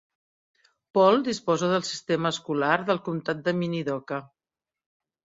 Paul disposa del sistema escolar del comtat de Minidoka.